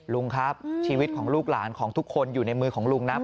ลุงครับชีวิตของลูกหลานของทุกคนอยู่ในมือของลุงนะ